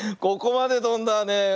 ここまでとんだね。